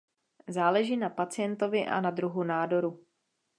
Záleží na pacientovi a na druhu nádoru.